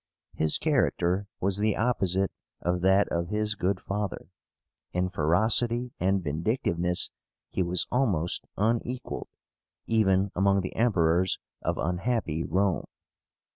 His character was the opposite of that of his good father. In ferocity and vindictiveness he was almost unequalled, even among the Emperors of unhappy Rome.